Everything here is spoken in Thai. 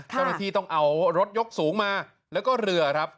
เจ้าหน้าที่ต้องเอารถยกสูงมาแล้วก็เรือครับ